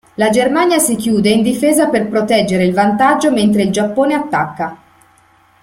La Germania si chiude in difesa per proteggere il vantaggio mentre il Giappone attacca.